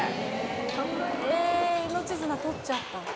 ええ命綱取っちゃった。